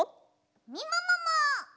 みももも！